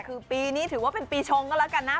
คือปีนี้ถือว่าเป็นปีชงก็แล้วกันนะ